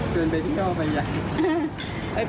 เดินไปที่เขาไปอย่างนี้